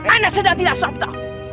ana sedang tidak swapto